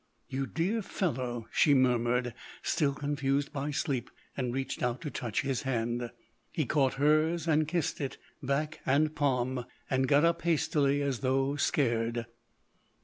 "You dear fellow," she murmured, still confused by sleep, and reached out to touch his hand. He caught hers and kissed it, back and palm, and got up hastily as though scared.